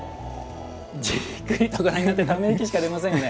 じっくりとご覧になってため息しか出ませんよね。